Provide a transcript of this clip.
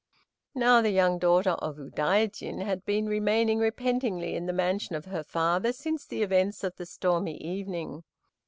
Now the young daughter of Udaijin had been remaining repentingly in the mansion of her father since the events of the stormy evening.